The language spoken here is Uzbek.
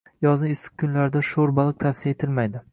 Yozning issiq kunlarida shoʻr baliq tavsiya etilmaydi.